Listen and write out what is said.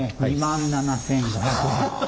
２万７，５００円。